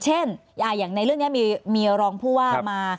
เช่นอย่างในเรื่องนี้มีเมียรองผู้ว่ามา